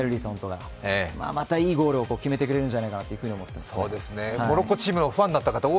いいゴールを決めてくれるんじゃないかなと思います。